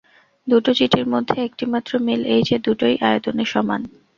দুটো চিঠির মধ্যে একটিমাত্র মিল এই যে দুটোই আয়তনে সমান।